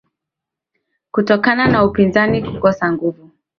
kutokana na upinzani kukosa nguvu